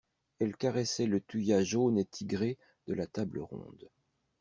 Elle caressait le thuya jaune et tigré de la table ronde.